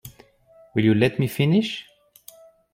Will you let me finish?